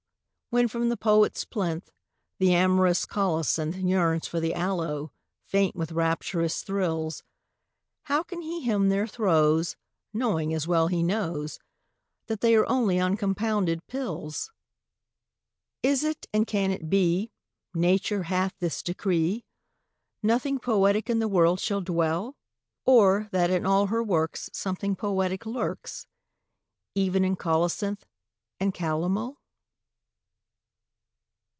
When from the poet's plinth The amorous colocynth Yearns for the aloe, faint with rapturous thrills, How can he hymn their throes Knowing, as well he knows, That they are only uncompounded pills? Is it, and can it be, Nature hath this decree, Nothing poetic in the world shall dwell? Or that in all her works Something poetic lurks, Even in colocynth and calomel?